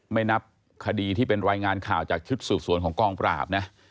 ไม่นับคดีที่เป็นรายงานข่าวจากชุดสืบสวนของกองปราบนะ